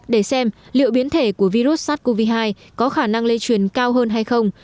để xem liệu biến thể của virus sars cov hai có khả năng lây truyền cao hơn hay không